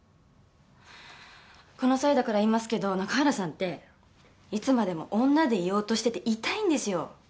この際だから言いますけど中原さんっていつまでも女でいようとしてて痛いんですよ。